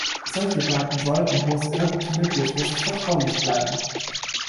Solche Daten sollten, wo es irgend möglich ist, vertraulich bleiben.